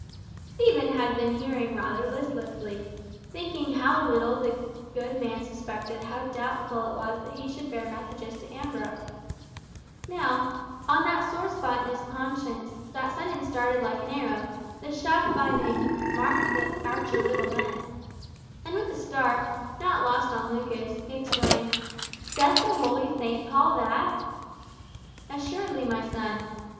Stephen had been hearing rather listlessly, thinking how little the good man suspected how doubtful it was that he should bear messages to Ambrose. Now, on that sore spot in his conscience, that sentence darted like an arrow, the shaft finding "mark the archer little meant," and with a start, not lost on Lucas, he exclaimed "Saith the holy Saint Paul that?" "Assuredly, my son.